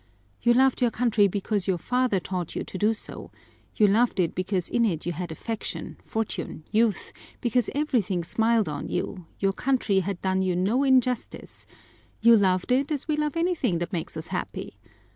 You loved your country because your father taught you to do so; you loved it because in it you had affection, fortune, youth, because everything smiled on you, your country had done you no injustice; you loved it as we love anything that makes us happy.